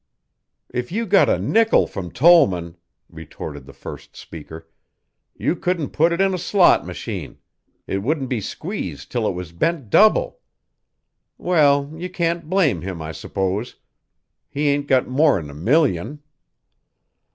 "If you got a nickel from Tollman," retorted the first speaker, "you couldn't put it in a slot machine. It would be squeezed till it was bent double. Well, you can't blame him, I s'pose. He ain't got more'n a million."